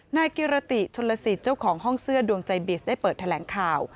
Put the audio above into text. นายกิรติชนลสิทธิ์เจ้าของห้องเสื้อดวงใจบิสได้เปิดแถลงข่าว